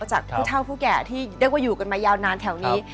จากผู้เท่าผู้แก่ที่เรียกว่าอยู่กันมายาวนานแถวนี้